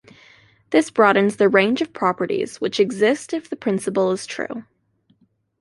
This broadens the range of properties which exist if the principle is true.